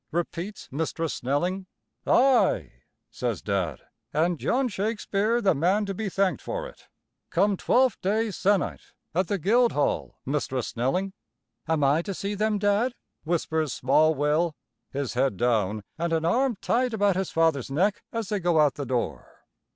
repeats Mistress Snelling. "Ay," says Dad, "an' John Shakespeare the man to be thanked for it. Come Twelfth Day sennight, at the Guild Hall, Mistress Snelling." "Am I to see them, Dad?" whispers small Will, his head down and an arm tight about his father's neck as they go out the door.